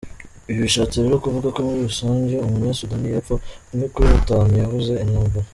Ibi bishatse rero kuvuga ko muri rusange umunyasudaniyepfo umwe kuri batanu yahunze intambara.